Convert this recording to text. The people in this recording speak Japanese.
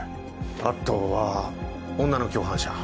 あとは女の共犯者。